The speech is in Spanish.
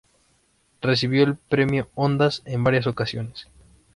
Recibió el Premio Ondas en varias ocasiones.